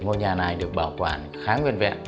ngôi nhà này được bảo quản khá nguyên vẹn